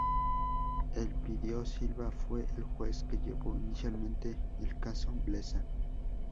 Elpidio Silva fue el juez que llevó inicialmente el Caso Blesa.